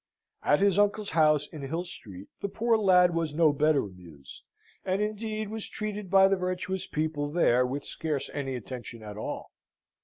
At his uncle's house in Hill Street the poor lad was no better amused, and, indeed, was treated by the virtuous people there with scarce any attention at all.